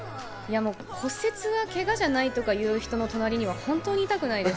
骨折はけがじゃないとか言う人の隣には本当にいたくないです。